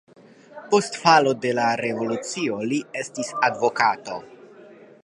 Post falo de la revolucio li estis advokato.